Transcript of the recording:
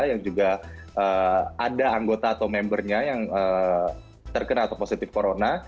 yang juga ada anggota atau membernya yang terkena atau positif corona